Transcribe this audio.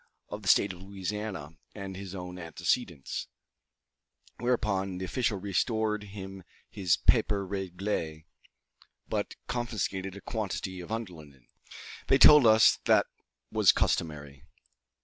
of the State of Louisiana, and his own antecedents; whereupon that official restored him his papier règlé, but confiscated a quantity of underlinen. They told us that was Customary.